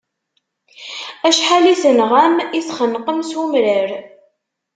Acḥal i tenɣam, i txenqem s umrar.